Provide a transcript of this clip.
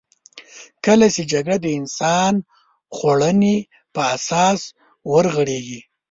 کله چې جګړه د انسان خوړنې په اساس ورغېږې.